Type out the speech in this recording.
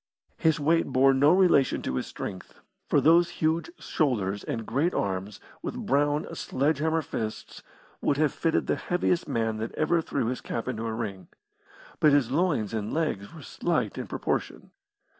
His weight bore no relation to his strength, for those huge shoulders and great arms, with brown, sledge hammer fists, would have fitted the heaviest man that ever threw his cap into a ring. But his loins and legs were slight in proportion.